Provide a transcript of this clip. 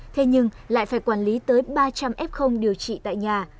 thế nhưng lại phải quản lý tới ba trăm linh f điều trị tại nhà